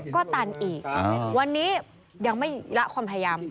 ก็ตันอีกวันนี้ยังไม่ละความพยายาม